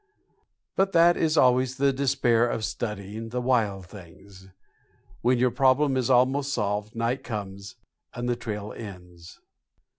But that is always the despair of studying the wild things. When your problem is almost solved, night comes and the trail ends.